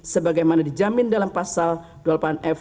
sebagaimana dijamin dalam pasal dua puluh delapan f